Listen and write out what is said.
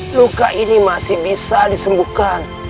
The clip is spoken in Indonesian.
luka ini masih bisa disembuhkan